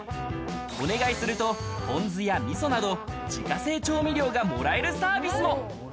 お願いするとポン酢やみそなど自家製調味料がもらえるサービスも。